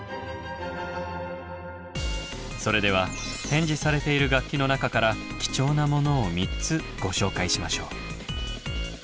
それでは展示されている楽器の中から貴重なものを３つご紹介しましょう。